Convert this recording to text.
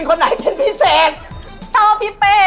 ครับ